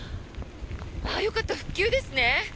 よかった、復旧ですね。